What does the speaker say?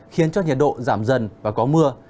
khiến cho nhiệt độ giảm dần và có mưa